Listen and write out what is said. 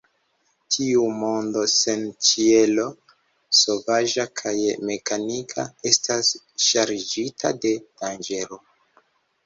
Tiu mondo sen ĉielo, sovaĝa kaj mekanika, estas ŝarĝita de danĝero.